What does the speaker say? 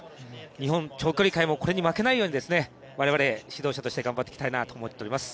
日本長距離界もこれに負けないように、我々、指導者として頑張っていきたいなと思います。